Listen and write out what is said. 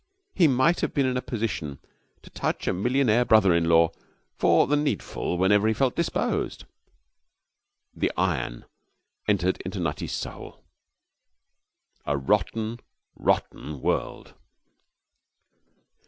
he might have been in a position to touch a millionaire brother in law for the needful whenever he felt disposed, the iron entered into Nutty's soul. A rotten, rotten world!